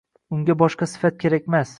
Unga boshqa sifat kerakmas.